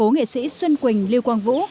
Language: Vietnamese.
nghệ sĩ xuân quỳnh lưu quang vũ